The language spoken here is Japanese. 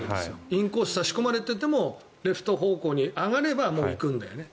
インコースに差し込まれててもレフト方向に上がればもう行くんだよね。